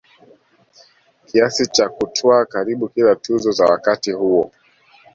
kiasi cha kutwaa karibu kila tuzo za wakati huo